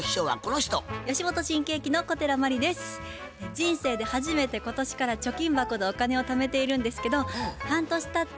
人生で初めて今年から貯金箱でお金をためているんですけど半年たった